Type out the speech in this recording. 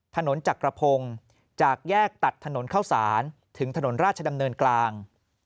ถนนจักรพงศ์จากแยกตัดถนนเข้าสารถึงถนนราชดำเนินกลาง